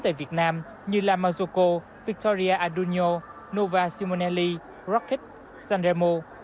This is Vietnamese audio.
tại việt nam như lamazoco victoria adunio nova simonelli rocket sanremo